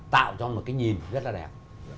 tạo ra một cái nhìn rất là đẹp